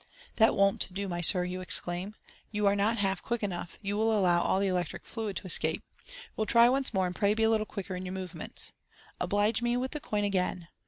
"That won't do, my dear sir," you exclaim 3 "you are not half quick enough — you allow all the electric fluid to escape. We'll try once more, and pray be a little quicker in your movements. Oblige me with the coin again.